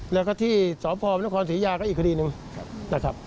แล้วก็ที่สพนครศรียาก็อีกคดีหนึ่งนะครับ